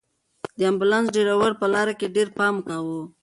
د امبولانس ډرېور په لاره کې ډېر پام کاوه.